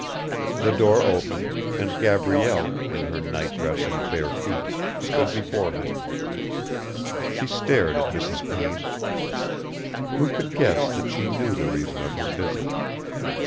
The door opened, and Gabrielle, in her nightdress and bare feet, stood before her. She stared at Mrs. Payne. Who could guess that she knew the reason of her visit?